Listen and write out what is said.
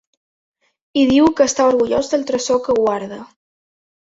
I diu que està orgullós del tresor que guarda.